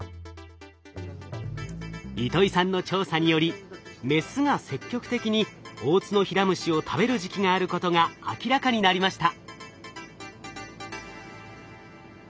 糸井さんの調査によりメスが積極的にオオツノヒラムシを食べる時期があることが明らかになりました。